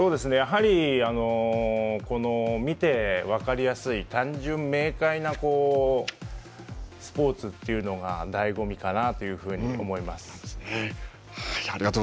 やはり、この見て分かりやすい単純明快なスポーツというのが醍醐味かなというふうに思います。